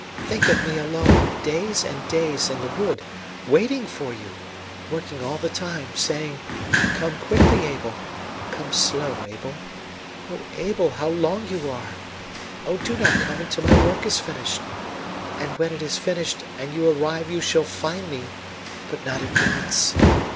"Think of me alone, days and days, in the wood, waiting for you, working all the time; saying: 'Come quickly, Abel; come slow, Abel. O Abel, how long you are! Oh, do not come until my work is finished!' And when it is finished and you arrive you shall find me, but not at once.